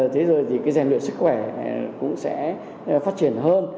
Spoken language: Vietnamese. thế rồi thì cái rèn luyện sức khỏe cũng sẽ phát triển hơn